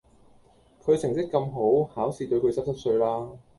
佢成績咁好，考試對佢濕濕碎啦